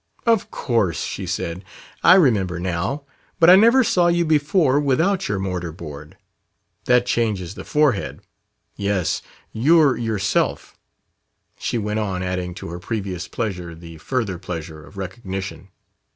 "Of course," she said. "I remember now. But I never saw you before without your mortar board. That changes the forehead. Yes, you're yourself," she went on, adding to her previous pleasure the further pleasure of recognition.